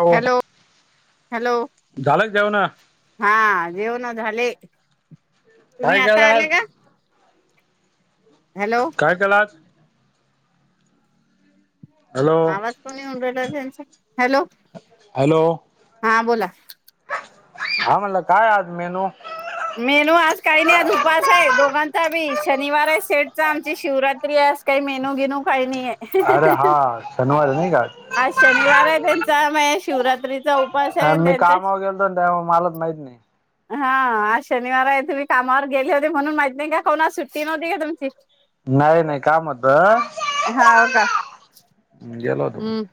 हो hello hello झालं जेवण हा जेव ना झाले? तुम्ही काय आता केलं आज आले का? हॅलो काय केला आज हॅलो आवाज कोणी उऊन हॅलो हॅलो हा बोला [inaudible] हा म्हणला काय आज मेनू मेनू आज काही नाही आज उपवास आहे दोघांचा बी शनिवार आहे शेठचा आमची शिवरात्री आहे आज काही मेनू घेनू काही नाही अरे आहे. हा शनिवार नाही का आज शनिवार आहे आज? त्यांचा महेश शिवरात्री मी कामावर गेलतो त्या मलाच माहीत नाही. हा शनिवार आहे तुम्ही कामावर गेले होते म्हणून माहित नाही का कोनास सुट्टी नव्हती का तुमची नाही नाही काम होतं.. हं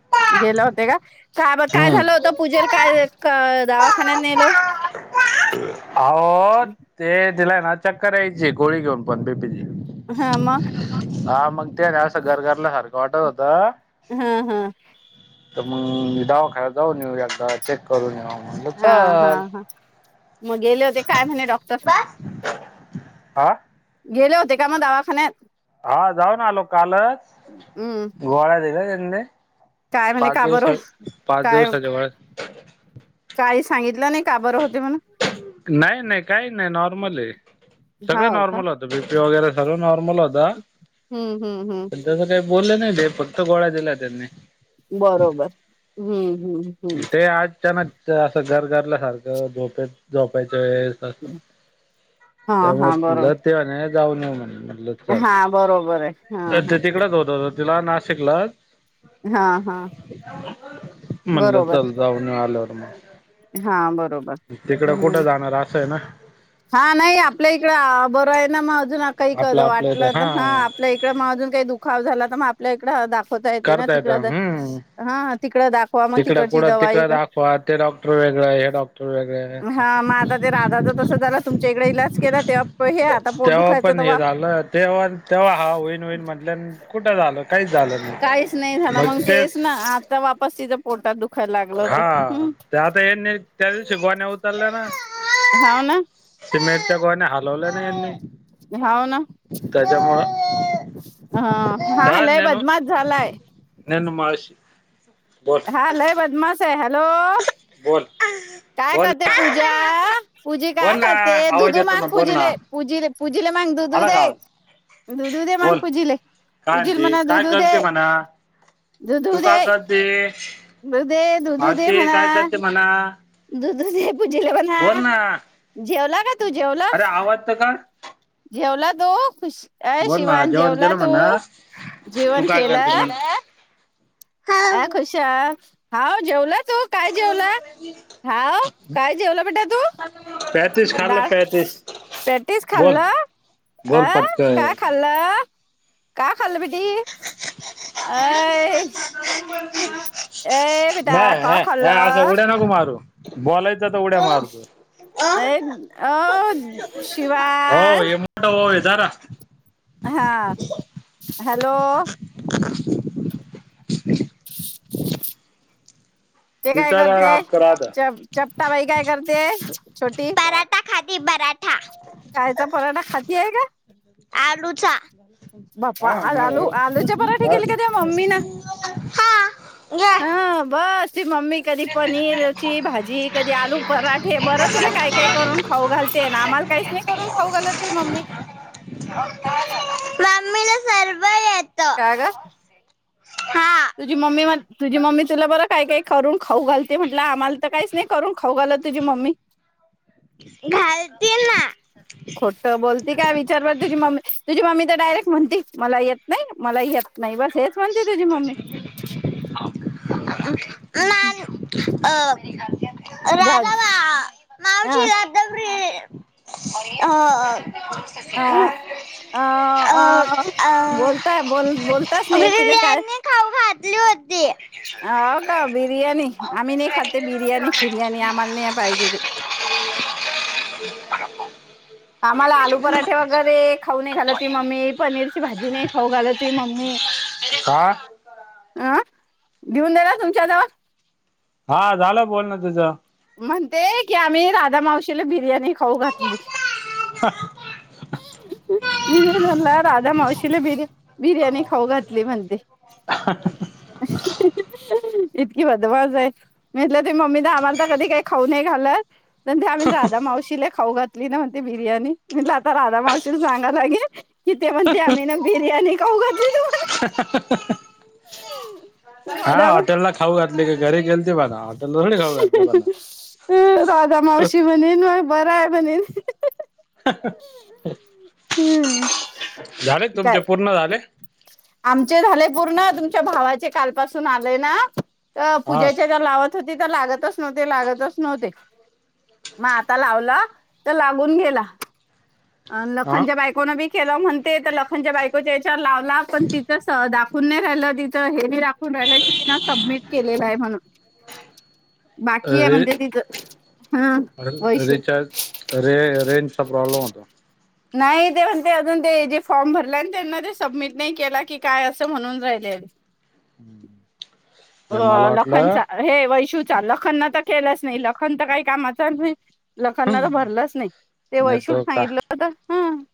गेलं होते का? का बरं काय हम्म झालं होतं पूजेला काय दाव... खने नलो [unintelligible] अहो, ते... तिला आहे ना चक्कर यायची गोळी घेऊन पण बीपी ची. हं मग? मग त्यांना असं गर-गरल्या सारखं वाटत होत. हां हां तर मग दावाखान्यात जाऊन येऊ एकदा चेक करून येऊ. म्हणलं हां हां चल हां. मग गेले होते काय म्हणे डॉक्टर? आं? गेले होते का मग दवाखान्यात? हा जाऊन आलो कालच हम्म गोळ्या दिल्यात.. हंद [unintelligible] काय म्हणे पाच का बरं दिवसा.. पाच काय दिवसाच्या गोळ्या काही सांगितलं नाही का बरं होते म्हणून? नाही, नाही काही नाही नॉर्मल आहे सगळं हो का नॉर्मल होतं बी... वगैरे सर्व नॉर्मल होतं. हं हं हं बोलले नाही ते फक्त गोळ्या दिल्या त्यांनी. बरोबर.... हं ते अचानक.. ते असं गर-गरल्यासारखं झोपेत-झोपाय... हा मुळे लते [unintelligible] जाऊन येऊ म्हणे.. म्हटलं चल हां बरोबर आहे, हां ते हां. ‌ तिकडच होत होत तिला नाशिकलाच हा [inaudible] म्हणलं चल जाऊन येऊ. नलोर म [unintelligible] हां बर.. हं.. जाणार असं आहे ना हा नाही आपल्या इकडं बरं आहे ना मग. काही आपलं कसं आपलं इथं वाटलं तर, हां हा आपल्या इकडं अजून काही दुखाव झालात आपल्याकडं दाख - होता येत ना करता तिकड हम्म हां तीकडा दाखवा म तिकडं तिकडची दवाई - होय डॉ - वेगळं आता ते असं राधाच तसं झालं तुमच्या इकडे इलाज केला तेव्हा हे आता पोट तेव्हा दुखायचं पण हे झालं तेव्हा तेव्हा हा होईन होईन म्हणल्या! कुठं झालं काहीच झालं नाही. काहीच नाही झालं मग तेच ना आता वापस तिथं पोटात दुख - हां ते आता यानी त्या दिवशी गोण्या उचलल्या ना [unintelligible] हाव ना ते नाही. त्या गोण्या हलवलं नाही यांनी! हाव ना! त्याच्यामुळं हां हा लय बदमाश झालाय! ननमाश - हा लय बदमाश आहे. हॅलो बोल काय बोल करते पूज- जा पूजी काय बोल ना करते आवाज दुधू येतो ना मग बोल ना पूजीले पूजी पूजीला मग दुधू आला का दे आवाज दुधू दे मग बोल पूजीले काय पूजीला म्हणते म्हणा काय दुधू दे करते म्हणा दुधू तू दे! काय करते दु दे दुधु दे भावचे म्हणा. काय करते म्हणा दुधु पूजेला मना बोल ना जेवला! का तू जेवला अरे आवाज तर काड? हो खुश! अ बोल ना शिवान जेवण जेवला केलं तू म्हण ना, तू जेवण काय करते म्हण! आ खुश अ हाव. जेवलात. तू काय जेवल हाव काय जेवलं बेटा तू पॅतीस खाल्लं दाळ पॅतीस पेटीस बोल खाल्ल अ बोल काय पटकन खाल्ल! का, [unintelligible] अय, ए [unintelligible] [inaudible] ब बेटा का अ अस उड्या नको मारू! बॉल आहेत. एक अ शिवाज, दराख, हा, हॅलो. [inaudible] [inaudible] ते काय तिथं करते राहत च चपटाबाई काय करते. छोटी, खादी बरा. कायचा पराठा खाती आहे ग आलूचा बा्पा हा आज मा आलू आलूचे पराठे बस केले का तुया मम्मी न. हा घ्या ह बस, तुई मम्मी कधी पनीरची भाजी, कधी आलू पराठे बर तुला काय काय करून खाऊ घालते ना आम्हाला काहीच नाही करून खाऊ घालत तुई मम्मी. मम्मीला सर्व येत का-का, हा, तुझी मम्मी तुझी मम्मी तुला बरं काय काही करू. खाऊ घालते म्हटलं आम्हाला तर काहीच नाही. करून खाऊ घाल तुझी मम्मी. घालते ना [inaudible] खोट बोलती काय विचारवर तुझी मम्मी तुझी मम्मी. डायरेक्ट म्हण मला येत नाही मला येत. नाहीई बस हेच म्हणती तुझी मम्मी, ह हम् हम खास झाज मावशीी अर्दब आणि अ अ अ अ बोलताय बोल बोलताय नाही तुला काय? पल्योद अ का बिर्याणी आम्ही नाही खात बिर्याणी फिर्याणी आम्हाला नाही पाहिजे ते, आम्हाला आलू पराठे वगैरे खाऊ नाही घालत त मम्मी पनीरची भाजी नाही खाऊ घालत हो मम्मी म हमं का घेऊन दला तुमच्या जव हा झालं बोल ना तुझं म्हणते की आम्ही राधा मावशीला बिर्याणी खऊ घातली. मी म्हला राधा मावशीने बिर्या बिर्याणी खाऊ घातली म्हणते, इतकी बदमास आहे, म्हटलं त मम्मी आम्हाला तर कधी काही खाऊन नाही घालत, त्यां आम्ही राा मावशीला खाऊात म्हणते बिर्याणी राधा मावशीील सांगा लागेल. किथे म्हणते आम्ही ना बिर्याणी खाऊ घातली तू [inaudible] हम हा हॉटेल ला खऊ घ ले घर गेलते ब ना ह राधा मावशी म्हणेनय बर आहे बनील [inaudible] [inaudible] हम्म झाले तुमचे काय पूर्ण झाले, आमचे झाले पूर्ण तुमच्या भावाचे कालपसून आलय ना हा पूजेच्या ज लावा. तिथ लागतच नव्हते लागतच नव्हते मग आता लावला तर लागून गेला अ हा लखनच्या बायकोना बी केला म्हणते तर लखनच्या बायकोच्या लावला पण तिा खून्य राहिल तिथं हे बी राखून राहिलं कि ति सबमिट केलेलं आहे म्हणून बाकी आहे र म्हणते तिचं हा वैशू रिचार्ज रे रेंजचा प्रॉब्लम होत नाही ते म्हणते अजून ते जे फॉर्म भरले आणि त्यांना ते सबमिट नाही केला की काय असं म्हणून राहिले हम्म अ लखनचा हे वैशु लखनना तर केलाच नाही लखन तर काही कामाच नाही लकांना तर भरलंच नाही ते नाही वैशूर तर का सांगितलं होत ह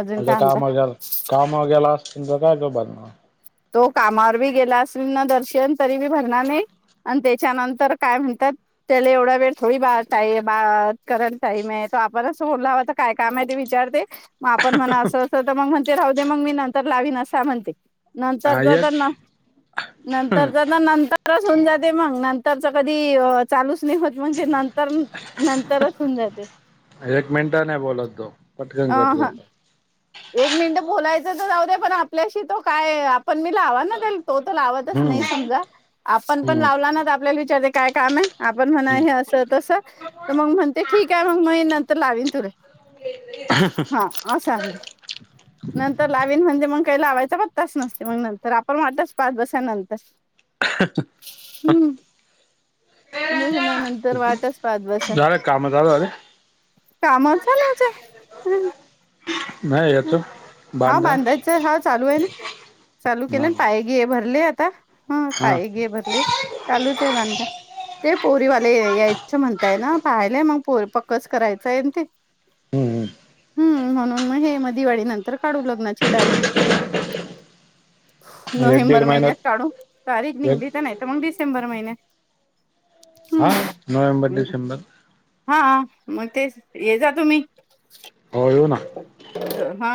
अजून आं काय म्हणता कामगेल कामगगेला तुमचा काय कर ब ना तो कामावर बी गेला असल ना दर्शन तरी बी भरणार नाही आणि त्याच्यानंतर काय म्हणतात त्याला एवढा वेळ थोडी बा टाई बा करायला टाईम आहे तो आपण असं बोलला हवं तर काय काम आहे ते विचारते मग आपण म्हणा असं असत तर मग ते राहू दे मग मी नंतर लावीन असं म्हणते. हा नंतरच तर न एक नंतरच नंतरच होऊन जात. ते मग नंतरच कधी चालूच स् होत म्हणजे नंतर नंतर असून जाते एक मिनिट नाही बोलत तो पटकन अ कट ह ह करतो एक मिनिट बोलायचं तर जाऊ दे पण आपल्याशी तो काय पण मी लावा ना तो तर लावतच नाही समजा हम्म आपण पण हम्म लावला ना आपल्याला विचार काय काम आहे? आपण म्हणा हे असं तस तर मग म्हणते ठीक आहे मग मी तर लावीन तो हा अशांध नंतर लावीन म्हणजे मग काही लावायचा पण तास नसते मग नंतर आपण वाटतच पाच बसानंतर हम्म उभेसण्यानंतर हम्म वाटच पाच बसा झालं काम झालं अरे कामाच नाझ आहे. नाही याच हम हा बांधकाम बांधायचं हा चालू आहे ना चालू हा केलं पाय घे भरले. तर हा काय घे भरले चालूच आहे मानगा ते पोरीवाले यायचं म्हणताय ना पाहालाय मग पोरी पक्कच करायचं आहे ते हम्म हम् हम्म म्हनून म हे म दिवाळी नंतर काढू लग्नाची तारीख एक दीड नोव्हेंबर महिन्यात काढू तारीख, एक निघली तर नाही तर मग डिसेंबर महिन्यात हा हम्म नोव्हेंबर, डिसेंबर हा मग तेच ये जा तुम्ही हो येवू ना हा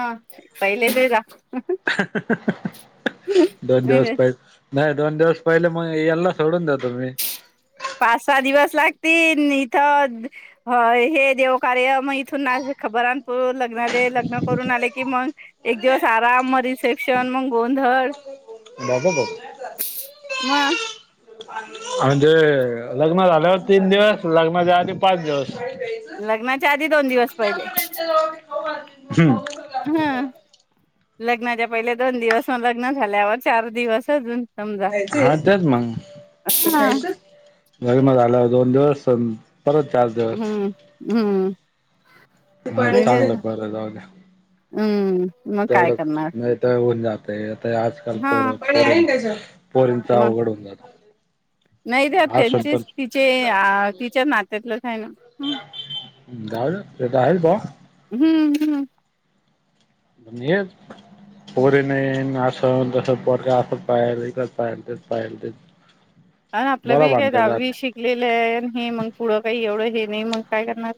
पहिलेच आहे जा [inaudible] दोन दिवस पाहि नाही दोन दिवस पहिले मग याला सोडून देतो. मी पा सहा दिवस लागती इथं हे देव कार्य मग इथून खबरानपूर लग्नाले लग्न करून आले. की मग एक दिवस आराम मग रिसेप्शन मग गोंधळ बाघू बाबू म म्हणजे लग्न झाल्यावर तीन दिवस. लग्नाच्या आदी पाच दिवस लग्नाच्या आधी दोन दिवस पहिले हम्म ह लग्नाच्या पहिले दोन दिवस, मग लग्न झाल्यावर चार दिवस अजून समजा च मगच हम्म गर म आलं दोन दिवस [inaudible] परत चार दिवस. हम्म. बर चांगलं बरं जाऊ. हम् तेवढं नाही तर होऊन जात ते आजकाल हा पोर. पोरींचा मग अवघड होऊन जात नाही त्या असून पण त्यांचेच तिचे तिच्या नात्यातलंच आहे. ना हम राहेल भा- हम्म हम्म. ण पोरी नाही अस तस पोरगा असच पाहिजेल, तेच पाहिजेल तेच आपलं बरा बी काही भानगड दहावी राहते शिकलेलं आहे. ह मग पुढं काही एवढं म्हणून काय करणार?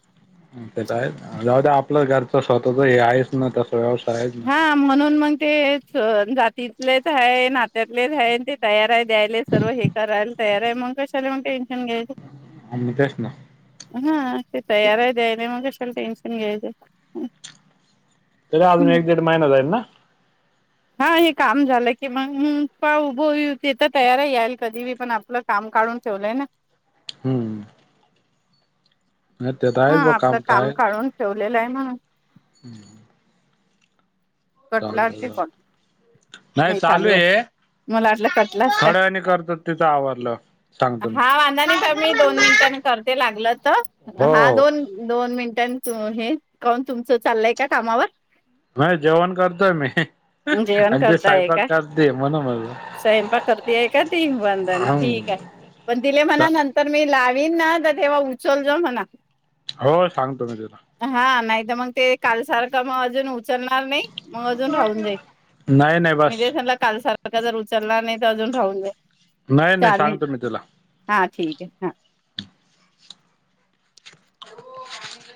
ते तर आहेच जाऊदे आपलं घरचं स्वतःच हे आहेच ना. व्यवसाय आहेच ना हा म्हणून मग ते तिथलेच आहे नात्यातलेच आहे. ते तयार आहे द्यायले सर्व हे करायला तयार आहे. मग कशाला म्हणते [inaudible] हा ते तयार आहे द्यायने मग कशाला टेन्शन घ्यायचं तरी अजून एक दीड महिना जाईल ना हा हे काम झालं की मग का उभं तेथ तयारही याल कधी बी पण आपलं काम काढून ठेवलंय ना हम्म ह तेतायल ब कामता आहे ठेवलेला हाय म्हणून हम्म कटला पण नाही चालू आहे मला वाटलं कटलाच काय थोड्या वेळाने करतो तिथं आवरल्यावर सांगतो मी. हा वांधा नाही प मी दोन मिनिटांनी करते लागलच हो हा हो दोन दोन मिनट हेिकून तुमचं चाललंय कामावर वय जेवण ते करताय स्वयंपाक का करते म्हणून म्हणलं स्यंपाक करती आहे का ती बंधन हम्म. ठीक आहे पण दिले म्हना नंतर मी लाट मी ना तर तेव्हा उचल जा म्ह ना हो सांगतो मी तुला नाही मग ते कालसारखं मग अजून उचलणार नाही मग अजून राहून जाईल. नाही नाही बस आता जर उचलला नाही तर अजून राहून जाईल नाही नाही चालेल सांगतो मी तुला हा ठीक ये हां